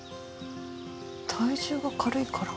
体重が軽いから？